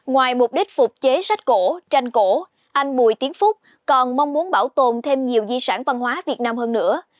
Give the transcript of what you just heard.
ngoài mục đích phục chế sách cổ tranh cổ anh bùi tiến phúc còn mong muốn bảo tồn thêm nhiều di sản văn hóa việt nam hơn nữa